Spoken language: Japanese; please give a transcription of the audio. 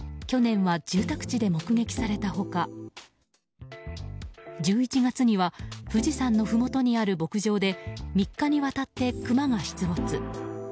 去年は住宅地で目撃された他１１月には富士山のふもとにある牧場で３日にわたってクマが出没。